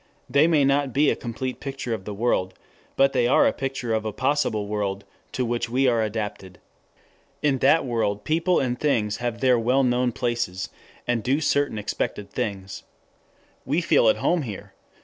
They may not be a complete picture of the world, but they are a picture of a possible world to which we are adapted. In that world people and things have their well known places, and do certain expected things. We feel at home there.